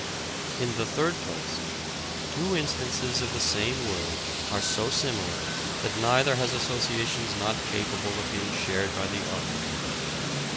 In the third place, two instances of the same word are so similar that neither has associations not capable of being shared by the other.